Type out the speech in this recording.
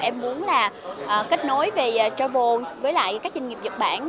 em muốn là kết nối về travel với lại các doanh nghiệp nhật bản